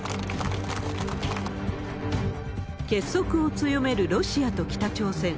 結束を強めるロシアと北朝鮮。